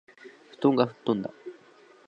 布団が吹っ飛んだ